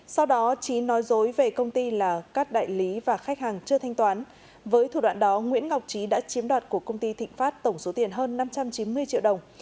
sau đó trí nói dối về công ty là các đại lý và khách hàng chưa thanh toán với thủ đoạn đó nguyễn ngọc trí đã chiếm đoạt của công ty thịnh pháp tổng số tiền hơn năm trăm chín mươi triệu đồng